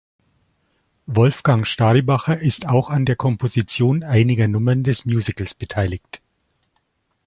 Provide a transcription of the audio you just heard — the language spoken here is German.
Wolfgang Staribacher ist auch an der Komposition einiger Nummern des Musicals beteiligt.